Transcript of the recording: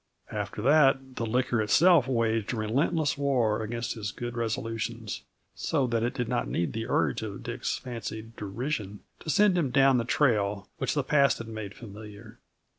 After that, the liquor itself waged relentless war against his good resolutions, so that it did not need the urge of Dick's fancied derision to send him down the trail which the past had made familiar.